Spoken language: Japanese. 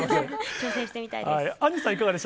挑戦してみたいです。